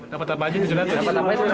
dapat apa aja rp tujuh ratus